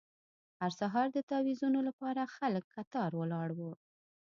هر سهار د تاویزونو لپاره خلک کتار ولاړ وو.